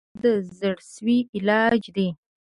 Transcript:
• لور د مور د زړسوي علاج دی.